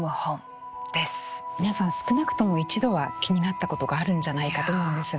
皆さん少なくとも一度は気になったことがあるんじゃないかと思うんですが。